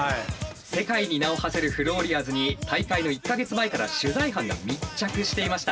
世界に名をはせるフローリアーズに大会の１か月前から取材班が密着していました。